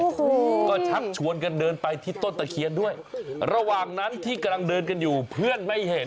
โอ้โหก็ชักชวนกันเดินไปที่ต้นตะเคียนด้วยระหว่างนั้นที่กำลังเดินกันอยู่เพื่อนไม่เห็น